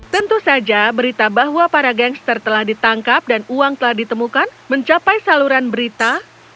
tentu saja berita bahwa para gangster telah ditangkap dan uang telah ditemukan mencapai saluran berita